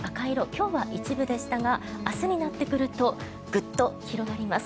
今日は一部でしたが明日になってくるとグッと広がります。